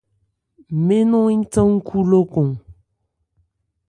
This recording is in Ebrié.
Mɛ́n nɔ̂n ń than ńkhú lókɔn.